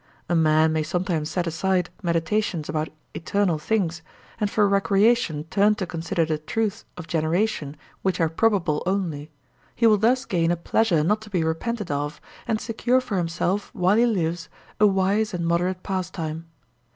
A man may sometimes set aside meditations about eternal things, and for recreation turn to consider the truths of generation which are probable only; he will thus gain a pleasure not to be repented of, and secure for himself while he lives a wise and moderate pastime.